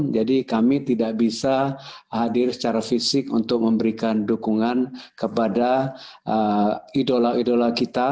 jadi kami tidak bisa hadir secara fisik untuk memberikan dukungan kepada idola idola kita